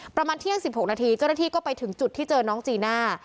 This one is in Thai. ประมาณเที่ยง๑๖นาทีเจ้าหน้าที่ก็ไปถึงจุดที่เจอน้องจีน่า